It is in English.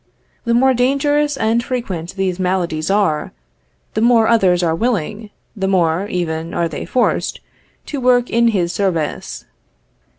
The more dangerous and frequent these maladies are, the more others are willing, the more, even, are they forced, to work in his service.